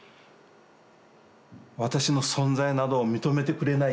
私の存在など認めてくれない